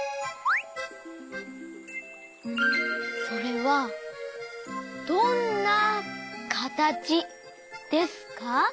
それはどんなかたちですか？